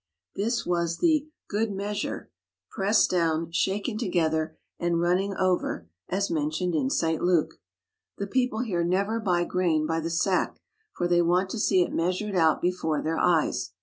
This was the "good measure 114 AMONG THE MONEY CHANGERS pressed down, shaken together, and running over,'' as mentioned in St. Luke. The people here never buy grain by the sack, for they want to see it measured out before their eyes.